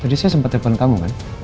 tadi saya sempat telepon kamu kan